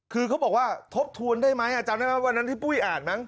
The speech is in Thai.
คือเขาบอกว่าทบทวนได้ไหมจำได้ไหมวันนั้นที่ปุ้ยอ่านมั้ง